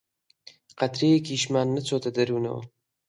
قەترەیەکیشمان نەچۆتە دەروونەوە